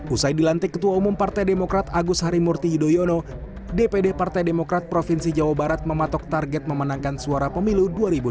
usai dilantik ketua umum partai demokrat agus harimurti yudhoyono dpd partai demokrat provinsi jawa barat mematok target memenangkan suara pemilu dua ribu dua puluh